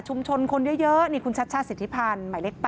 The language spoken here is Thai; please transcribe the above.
ชุมชนคนเยอะนี่คุณชัชชาศิษฐิพันธ์ใหม่เล็ก๘